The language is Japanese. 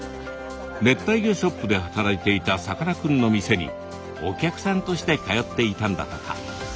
熱帯魚ショップで働いていたさかなクンの店にお客さんとして通っていたんだとか。